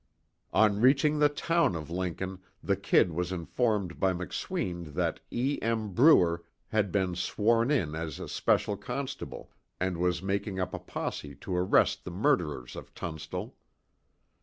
On reaching the town of Lincoln, the "Kid" was informed by McSween that E. M. Bruer had been sworn in as a special constable, and was making up a posse to arrest the murderers of Tunstall.